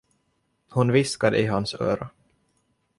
Hon viskade i hans öra.